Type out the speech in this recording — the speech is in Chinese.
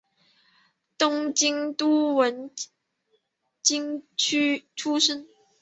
东京都文京区出身。